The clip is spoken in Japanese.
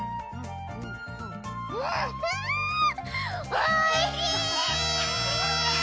おいしい！